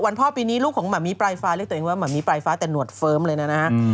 พ่อปีนี้ลูกของหมมี่ปลายฟ้าเรียกตัวเองว่าหมามีปลายฟ้าแต่หนวดเฟิร์มเลยนะฮะ